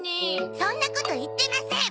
そんなこと言ってません！